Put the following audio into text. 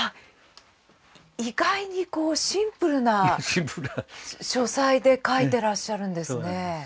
意外にこうシンプルな書斎で書いてらっしゃるんですね。